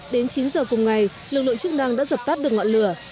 đến chín giờ cùng ngày lực lượng chức năng đã dập tắt được ngọn lửa